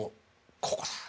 ここだ。